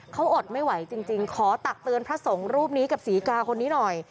เขาอดไม่ไหวจริงขอตักเตือนพระสงฆ์รูปนี้กับศรีกาคนนี้หน่อย